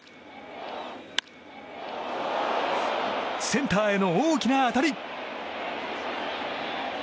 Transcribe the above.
センターへの大きな当たり！